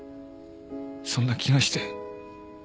そんな気がして。